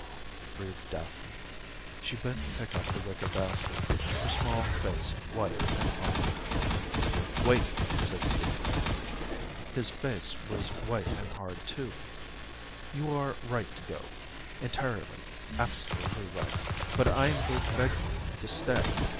breathed Daphne. She bent to pick up the wicker basket, her small face white and hard. "Wait!" said Stephen Fane. His face was white and hard too. "You are right to go entirely, absolutely right but I am going to beg you to stay.